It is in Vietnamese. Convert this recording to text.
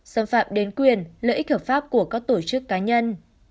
xâm phạm đến quyền lợi ích hợp pháp của các tổ chức cá nhân